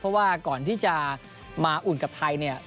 เพราะว่าก่อนที่จะมาอุ่นกับไทยเนี่ย